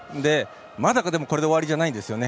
まだ、これで終わりじゃないんですよね。